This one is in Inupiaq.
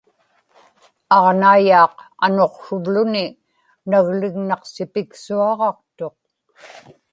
aġnaiyaaq anuqsruvluni naglignaqsipiksuaġaqtuq